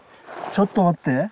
ちょっと待って。